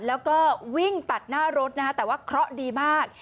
แล้วก็วิ่งตัดหน้ารถนะฮะแต่ว่าเคราะห์ดีมาก